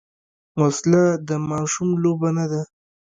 وسله د ماشوم لوبه نه ده